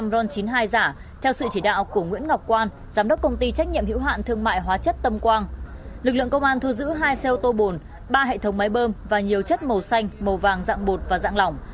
lực lượng công an thu giữ hai xe ô tô bồn ba hệ thống máy bơm và nhiều chất màu xanh màu vàng dạng bột và dạng lỏng